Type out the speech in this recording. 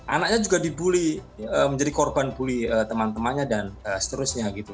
anaknya juga dibully menjadi korban bully teman temannya dan seterusnya gitu